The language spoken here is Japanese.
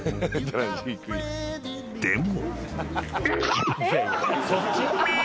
［でも］